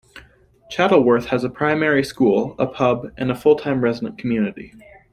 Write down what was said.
Chaddleworth has a primary school, a pub and a full-time resident community.